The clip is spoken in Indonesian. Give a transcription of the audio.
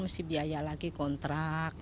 mesti biaya lagi kontrak